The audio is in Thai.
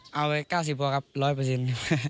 เอาไว้๙๐พอครับ๑๐๐เปอร์เซ็นต์